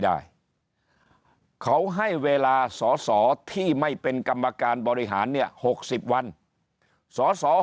ได้เขาให้เวลาสอสอที่ไม่เป็นกรรมการบริหารเนี่ย๖๐วันสอสอ